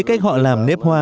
cách họ làm nếp hoa